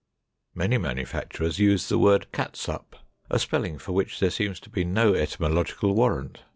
Many manufacturers use the word catsup, a spelling for which there seems to be no etymological warrant.